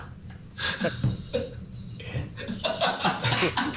ハハハハ！